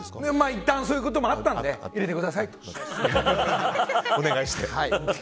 いったんそういうこともあったんで入れてくださいとお願いして。